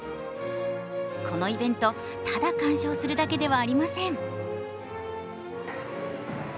このイベント、ただ観賞するだけではありません。